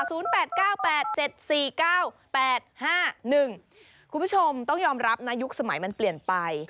คุณผู้ชมต้องยอมรับนะยุคสมัยมันเปลี่ยนไป